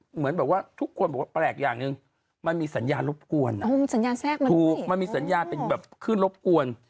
เหมือนทุกคนบอกว่าใหญ่อย่างนึงมันมีสัญญาณรบกวนถูกมีสัญญาณคุกกางลบกวน